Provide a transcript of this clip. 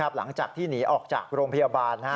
หลังจากที่หนีออกจากโรงพยาบาล